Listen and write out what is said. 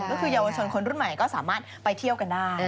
ก็คือเยาวชนคนรุ่นใหม่ก็สามารถไปเที่ยวกันได้